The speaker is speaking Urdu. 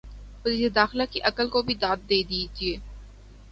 وزیر داخلہ کی عقل کو بھی داد دیجئے۔